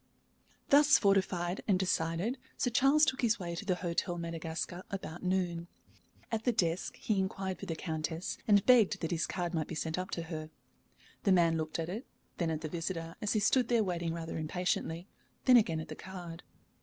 Thus fortified and decided, Sir Charles took his way to the Hôtel Madagascar about noon. At the desk he inquired for the Countess, and begged that his card might be sent up to her. The man looked at it, then at the visitor, as he stood there waiting rather impatiently, then again at the card.